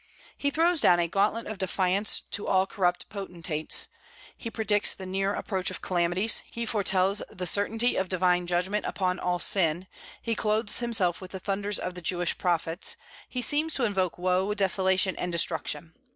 He throws down a gauntlet of defiance to all corrupt potentates; he predicts the near approach of calamities; he foretells the certainty of divine judgment upon all sin; he clothes himself with the thunders of the Jewish prophets; he seems to invoke woe, desolation, and destruction.